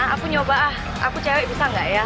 aku nyoba ah aku cewek bisa nggak ya